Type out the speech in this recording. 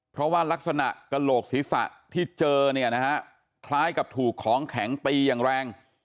เพราะว่ารักษณะกระโหลกศีรษะที่เจอเนี่ยนะฮะคล้ายกับถูกของแข็งตีอย่างแรง